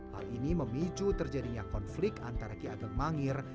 hal ini memicu terjadinya konflik antara ki ageng mangir